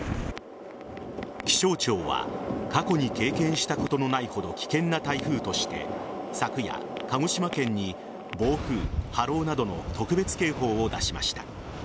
気象庁は過去に経験したことのないほど危険な台風として昨夜、鹿児島県に暴風、波浪などの特別警報を出しました。